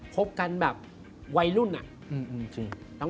ครบกันแบบวัยรุ่น